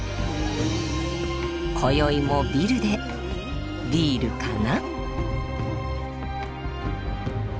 今宵もビルでビールかな？